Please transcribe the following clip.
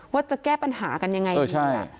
ว่าจะแก้ปัญหากันยังไงใช่